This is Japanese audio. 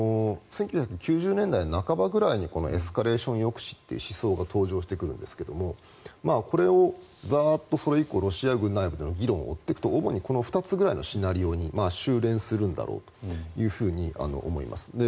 １９９０年代半ばぐらいにこのエスカレーション抑止っていう思想が登場してくるんですがこれをザッとそれ以降、ロシア軍内部の議論を追っていくと主にこの２つぐらいのシナリオに収れんするんだろうと思います。